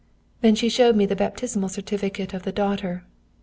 "Then she showed me the baptismal certificate of the daughter.